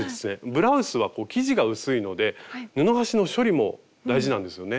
ブラウスは生地が薄いので布端の処理も大事なんですよね。